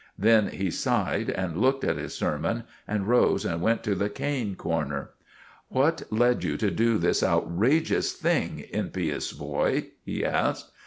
Then he sighed, and looked at his sermon, and rose and went to the cane corner. "What led you to do this outrageous thing, impious boy?" he asked.